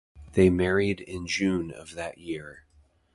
They married in June of that year.